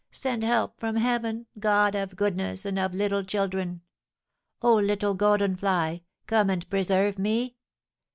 Send help from heaven, God of goodness and of little children! Oh, little golden fly, come and preserve me!